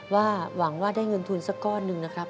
หวังว่าได้เงินทุนสักก้อนหนึ่งนะครับ